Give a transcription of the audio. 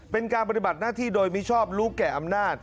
เป็นการปฏิบัติหน้าที่โดยมิชอบรู้แก่อำนาจ